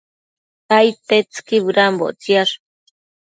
Aidtetsëqui bëdambo ictsiash